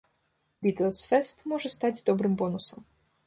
Бітлз-фэст можа стаць добрым бонусам.